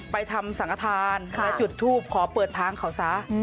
ไปทำสังฆฐานและจุดทูปขอเปิดทางเขาซะ